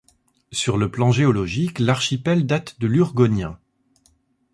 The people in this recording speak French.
Sur le plan géologique, l'archipel date de l'Urgonien.